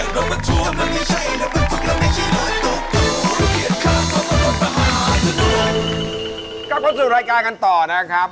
กลับมาสู่รายการกันต่อนะครับ